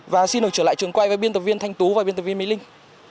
và xin được trở lại trường quay với biên tập viên thanh tú và biên tập viên mỹ linh